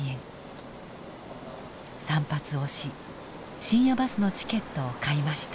散髪をし深夜バスのチケットを買いました。